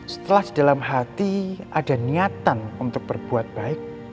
setelah di dalam hati ada niatan untuk berbuat baik